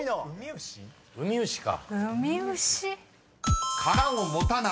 ウミウシか。